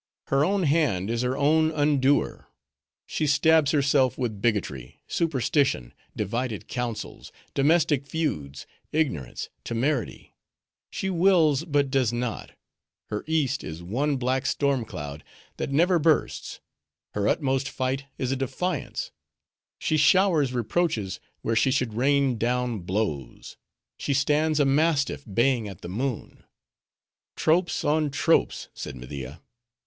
Her own hand is her own undoer. She stabs herself with bigotry, superstition, divided councils, domestic feuds, ignorance, temerity; she wills, but does not; her East is one black storm cloud, that never bursts; her utmost fight is a defiance; she showers reproaches, where she should rain down blows. She stands a mastiff baying at the moon." "Tropes on tropes!" said. Media.